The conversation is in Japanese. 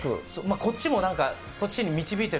こっちもそっちに導いてる。